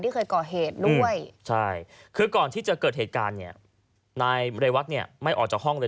เคยก่อเหตุด้วยใช่คือก่อนที่จะเกิดเหตุการณ์เนี่ยนายเรวัตเนี่ยไม่ออกจากห้องเลย